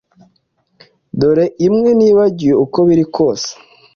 Dore imwe nibagiwe uko biri kose